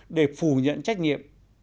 để phủ nhận trách nhiệm